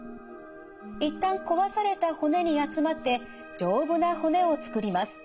一旦壊された骨に集まって丈夫な骨をつくります。